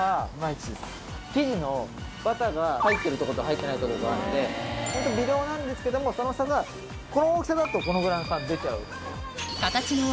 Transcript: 生地のバターが入ってるとこと入ってないとこがあってホント微量なんですけどもその差がこの大きさだとこのぐらいの感じ出ちゃう。